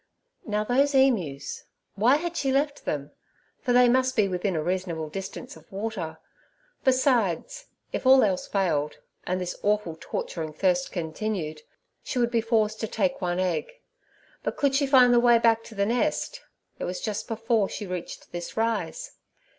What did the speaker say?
Now, those emus—why had she left them? for they must be within a reasonable distance of water. Besides, if all else failed, and this awful torturing thirst continued, she would be forced to take one egg; but could she find the way back to the nest? it was just before she reached this rise.